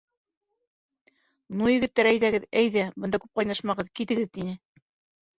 — Ну, егеттәр, әйҙәгеҙ, әйҙә, бында күп ҡайнашмағыҙ, китегеҙ,— тине.